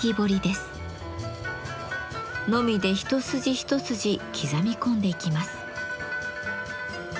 ノミで一筋一筋刻み込んでいきます。